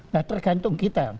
nah tergantung kita